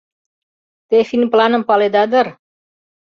Те «финпланым» паледа дыр?